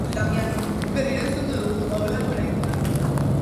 Berriro entzun dugu, ahulago oraingoan.